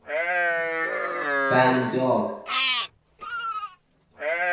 بنددار